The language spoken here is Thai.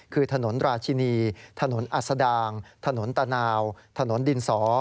คือถนนราชินีถนนอัศดางถนนตานาวถนนดินสอ